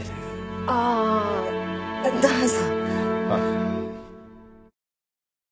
ああどうぞ。